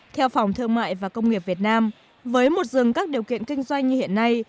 theo phòng thương mại và công nghiệp việt nam với một dừng các điều kiện kinh doanh như hiện nay